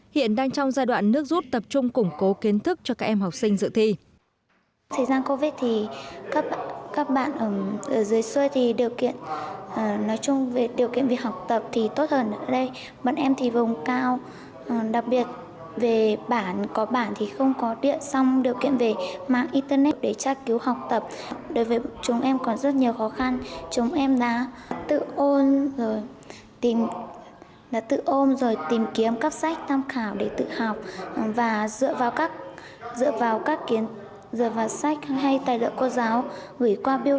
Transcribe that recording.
hiện đang trong giai đoạn nước rút tập trung củng cố kiến thức cho các em học sinh dự thi